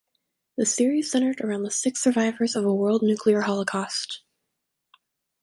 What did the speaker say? The series centered around the six survivors of a world nuclear holocaust.